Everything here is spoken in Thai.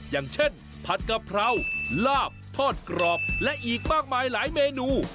อย่างเช่นผัดกะเพราลาบทอดกรอบและอีกมากมายหลายเมนู